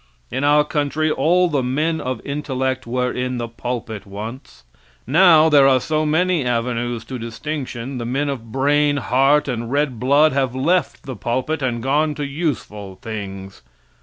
In our country all the men of intellect were in the pulpit once. Now there are so many avenues to distinction the men of brain, heart and red blood have left the pulpit and gone to useful things.